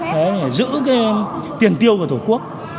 để giữ cái tiền tiêu của tổ quốc